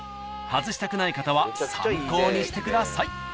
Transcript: ［外したくない方は参考にしてください］